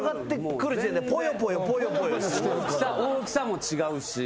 大きさも違うし。